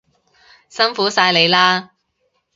辛苦晒你喇